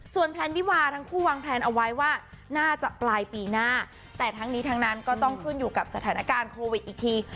แพลนวิวาทั้งคู่วางแพลนเอาไว้ว่าน่าจะปลายปีหน้าแต่ทั้งนี้ทั้งนั้นก็ต้องขึ้นอยู่กับสถานการณ์โควิดอีกที